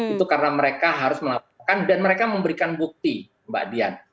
itu karena mereka harus melaporkan dan mereka memberikan bukti mbak dian